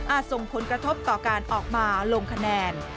ส่งผลกระทบต่อการออกมาลงคะแนน